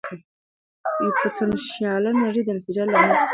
پوتنشیاله انرژي د انفجار د لاملونو څخه ده.